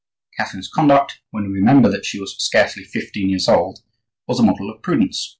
Catherine's conduct, when we remember that she was scarcely fifteen years old, was a model of prudence.